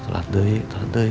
setelah daya setelah daya